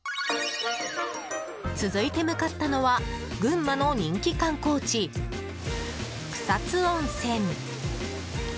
続いて向かったのは群馬の人気観光地・草津温泉。